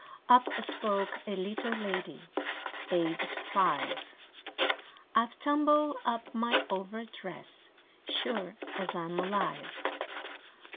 Up spoke a little lady Aged five; "I 've tumbled up my over dress, Sure as I 'm alive!